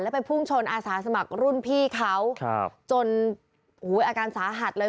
ไปพุ่งชนอาสาสมัครรุ่นพี่เขาครับจนอาการสาหัสเลย